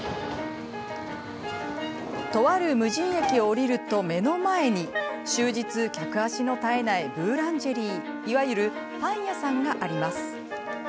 とある無人駅を降りると目の前に終日、客足の絶えないブーランジェリーいわゆるパン屋さんがあります。